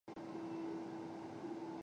蕨萁为阴地蕨科阴地蕨属下的一个种。